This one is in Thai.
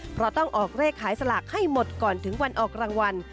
เพราะต้องออกเลขขายสลากให้หมดก่อนถึงวันออกรางวัล